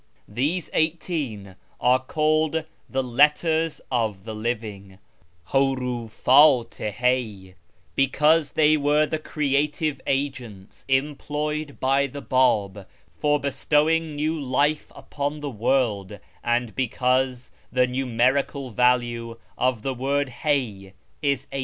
These eighteen are called " the Letters of the Living " {Hun'ifdt i Hayy), because they were the creative agents employed by the B;ib for be stowing new life upon the world, and because the numerical value of the word Hctyy is 18.